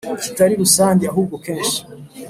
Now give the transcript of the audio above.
, kitari rusange ahubwo kenshi